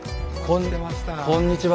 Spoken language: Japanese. こんにちは